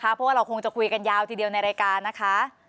เพราะว่าเราคงจะคุยกันยาวทีเดียวในรายการนะคะ